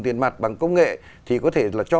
tiền mặt bằng công nghệ thì có thể là cho